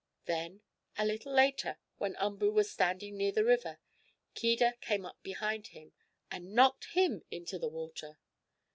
Then, a little later, when Umboo was standing near the river, Keedah came up behind him and knocked him into the water.